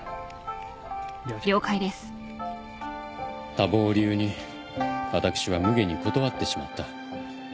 多忙を理由に私はむげに断ってしまった。